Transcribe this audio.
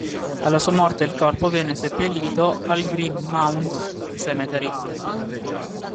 Alla sua morte il corpo venne seppellito al Green Mount Cemetery.